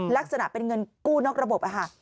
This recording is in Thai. ลักษณะเป็นเงินกู้นอกระบบ